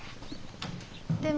でも。